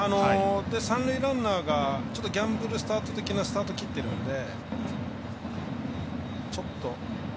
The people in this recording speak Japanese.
三塁ランナーがギャンブルスタート的なスタートを切ってるので。